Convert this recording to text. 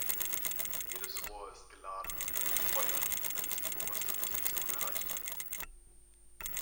Jedes Rohr ist geladen und feuert, wenn es die oberste Position erreicht hat.